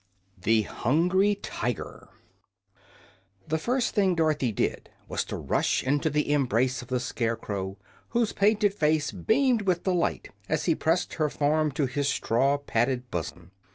8. The Hungry Tiger The first thing Dorothy did was to rush into the embrace of the Scarecrow, whose painted face beamed with delight as he pressed her form to his straw padded bosom.